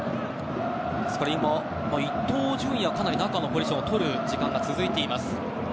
今、伊東純也がかなり中のポジションを取る時間が続いています。